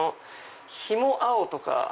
ひも青とか。